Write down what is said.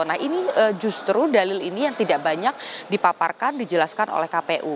nah ini justru dalil ini yang tidak banyak dipaparkan dijelaskan oleh kpu